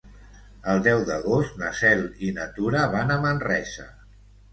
El deu d'agost na Cel i na Tura van a Manresa.